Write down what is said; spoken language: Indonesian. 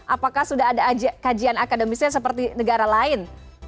apakah sudah ada kajian akademisnya seperti negara lain